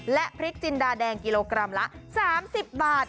และพริกจินดาแดงกิโลกรัมละ๓๐บาท